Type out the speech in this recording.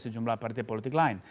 sejumlah partai politik lain